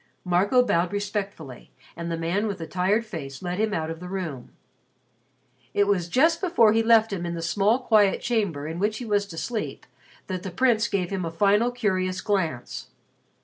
Marco bowed respectfully and the man with the tired face led him out of the room. It was just before he left him in the small quiet chamber in which he was to sleep that the Prince gave him a final curious glance.